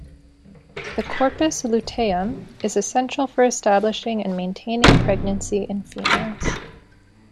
The corpus luteum is essential for establishing and maintaining pregnancy in females.